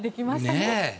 ねえ。